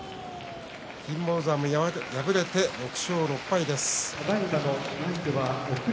金峰山も敗れて６勝６敗です。